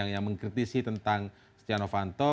yang mengkritisi tentang stiano fanto